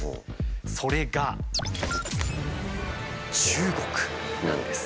それが中国なんです。